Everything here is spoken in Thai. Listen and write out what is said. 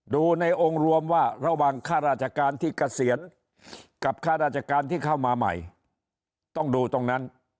ดูในองค์รวมว่าระหว่างข้าราชการที่เกษียณกับค่าราชการที่เข้ามาใหม่ต้องดูตรงนั้น